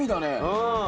うん。